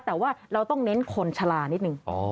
แต่ว่าเราต้องเน้นคนชะลานิดนึง